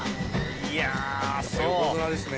・・いや横綱ですね・